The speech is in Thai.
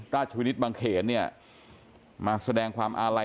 ราชวินิตบางเขนเนี่ยมาแสดงความอาลัย